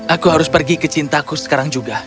aku harus pergi ke cintaku sekarang juga